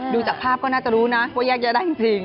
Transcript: ดูจากภาพก็น่าจะรู้นะว่าแยกแยะได้จริง